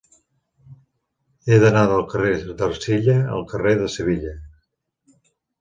He d'anar del carrer d'Ercilla al carrer de Sevilla.